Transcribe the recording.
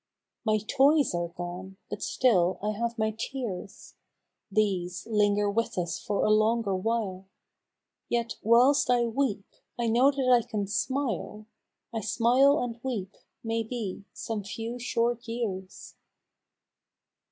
2. My toys are gone, but still I have my tears, {These linger with us for a longer while). Yet whilst I weep, I know that I can smile, I smile and weep, may be, some few short years.